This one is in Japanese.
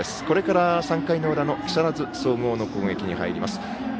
これから３回の裏の木更津総合の攻撃に入ります。